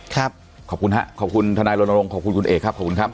ขอบคุณครับขอบคุณทนายรณรงค์ขอบคุณคุณเอกครับขอบคุณครับ